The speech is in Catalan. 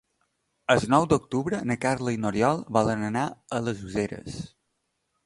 El nou d'octubre na Carla i n'Oriol volen anar a les Useres.